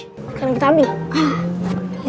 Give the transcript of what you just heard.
sekarang kita ambil